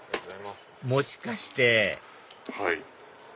もしかしてはい。